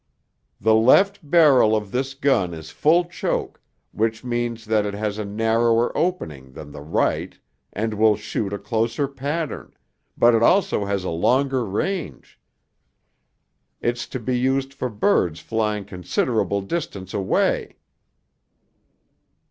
"The left barrel of this gun is full choke, which means that it has a narrower opening than the right and will shoot a closer pattern, but it also has a longer range. It's to be used for birds flying a considerable distance away."